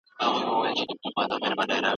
استاد ماته د څيړني جوړښت وښود.